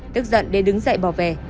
tức giận đê đứng dậy bỏ về